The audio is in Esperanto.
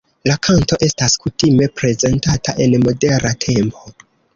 La kanto estas kutime prezentata en modera tempo.